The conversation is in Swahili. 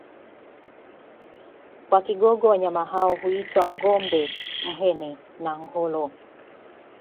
Kwa Kigogo wanyama hao huitwa ngombe mhene na ngholo